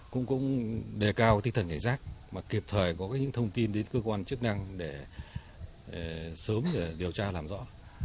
cũng đề cao tinh thần cảnh giác mà kịp thời có những thông tin đến cơ quan chức năng để sớm điều tra làm rõ